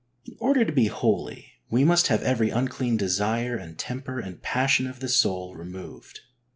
In order to be holy we must have every unclean desire and temper and passion of the soul removed.